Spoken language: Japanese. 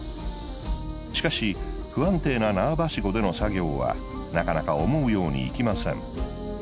しかし不安定な縄ばしごでの作業はなかなか思うようにいきません。